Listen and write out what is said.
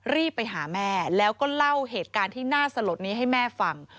รีบไปหาแม่แล้วก็เล่าเหตุการณ์ที่น่าสลดนี้ให้แม่ฟัง